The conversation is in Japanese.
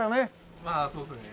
まあそうですね。